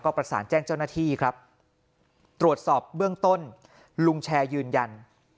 ประสานแจ้งเจ้าหน้าที่ครับตรวจสอบเบื้องต้นลุงแชร์ยืนยัน